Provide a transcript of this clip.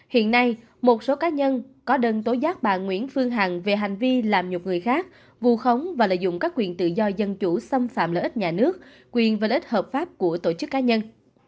hiện nay một số cá nhân có đơn tối giác bà nguyễn phương hằng về hành vi làm nhục người khác vù khống và lợi dụng các quyền tự do dân chủ xâm phạm lợi ích nhà nước quyền và lợi ích hợp pháp của tổ chức cá nhân